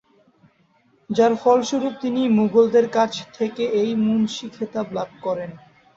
যার ফলস্বরূপ তিনি মুঘলদের কাছ থেকে এই মুন্সি খেতাব লাভ করেন।